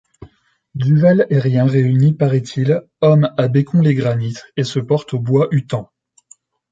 Duval-Errien réunit, paraît-il, hommes à Bécon-les-Granits et se porte au Bois-Hutan.